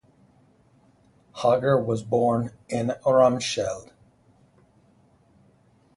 Hager was born in Remscheid.